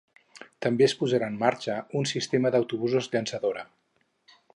També es posarà en marxa un sistema d'autobusos llançadora.